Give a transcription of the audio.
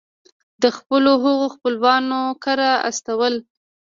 د خپلو هغو خپلوانو کره استول.